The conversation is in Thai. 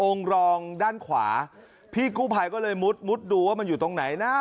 รองด้านขวาพี่กู้ภัยก็เลยมุดมุดดูว่ามันอยู่ตรงไหนนะ